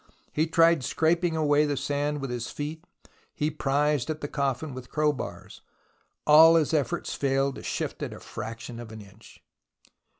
He tried scraping away the sand with his feet, he prised at the coffin with crowbars. All his efforts failed to shift it a fraction of an inch.